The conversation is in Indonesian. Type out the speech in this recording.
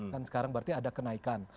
kan sekarang berarti ada kenaikan